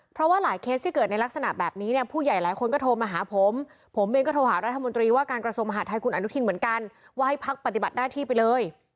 เพราะว่าหลายเคสที่เกิดในลักษณะแบบนี้เนี่ยผู้ใหญ่หลายคนก็โทรมาหาผมผมเองก็โทรหารัฐมนตรีว่าการกระทรวงมหาดไทยคุณอนุทินเหมือนกันว่าให้พักปฏิบัติหน้าที่ไปเลย